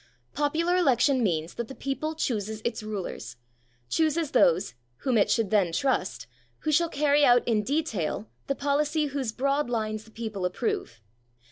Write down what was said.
Popular election means that the people chooses its rulers, chooses those—whom it should then trust—who shall carry out in detail the policy whose broad lines the people approve.